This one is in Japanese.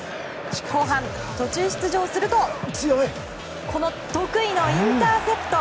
後半、途中出場するとこの得意のインターセプト。